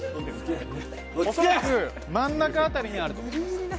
恐らく真ん中辺りにあると思います。